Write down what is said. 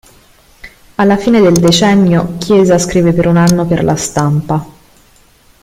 Alla fine del decennio Chiesa scrive per un anno per La Stampa.